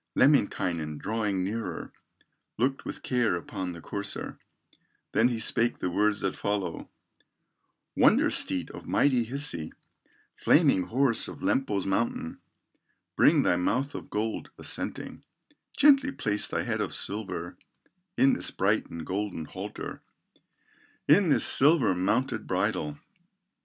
Lemminkainen, drawing nearer, Looked with care upon the courser, Then he spake the words that follow: "Wonder steed of mighty Hisi, Flaming horse of Lempo's mountain, Bring thy mouth of gold, assenting, Gently place thy head of silver In this bright and golden halter, In this silver mounted bridle.